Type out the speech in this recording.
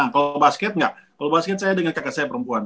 kalau basket nggak kalau baskin saya dengan kakak saya perempuan